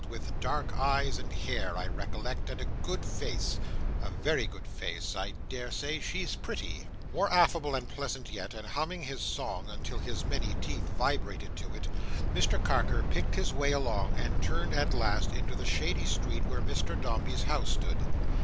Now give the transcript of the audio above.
With dark eyes and hair, I recollect, and a good face; a very good face! I daresay she's pretty." More affable and pleasant yet, and humming his song until his many teeth vibrated to it, Mr Carker picked his way along, and turned at last into the shady street where Mr Dombey's house stood.